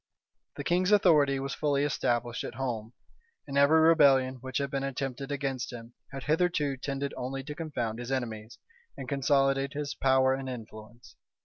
The king's authority was fully established at home; and every rebellion which had been attempted against him, had hitherto tended only to confound his enemies, and consolidate his power and influence.